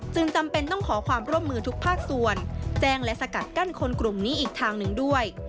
จำเป็นต้องขอความร่วมมือทุกภาคส่วนแจ้งและสกัดกั้นคนกลุ่มนี้อีกทางหนึ่งด้วย